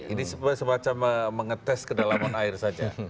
ini semacam mengetes kedalaman air saja